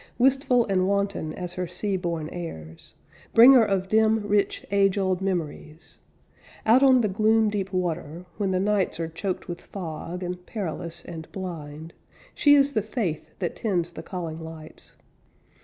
Wistful and wanton as her sea born airs, Bringer of dim, rich, age old memories. Out on the gloom deep water, when the nights Are choked with fog, and perilous, and blind, She is the faith that tends the calling lights.